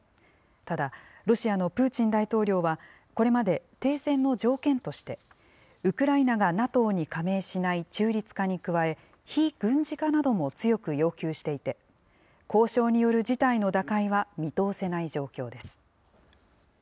ただ、ロシアのプーチン大統領はこれまで、停戦の条件として、ウクライナがＮＡＴＯに加盟しない中立化に加え、非軍事化なども強く要求していて、交渉による事態の打開は見通せない状況です。